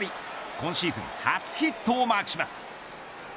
今シーズン初ヒットをマークします。